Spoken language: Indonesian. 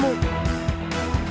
untuk membuat benih